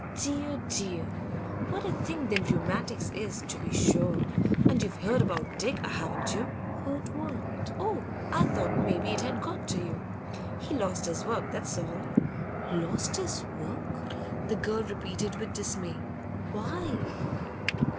'Dear, dear! what a thing them rheumatics is, to be sure! And you've heard about Dick, haven't you?' 'Heard what?' 'Oh, I thought maybe it had got to you. He's lost his work, that's all.' 'Lost his work?' the girl repeated, with dismay. 'Why?